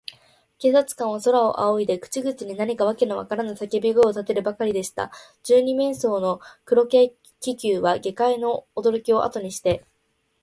警官隊は、空をあおいで、口々に何かわけのわからぬさけび声をたてるばかりでした。二十面相の黒軽気球は、下界のおどろきをあとにして、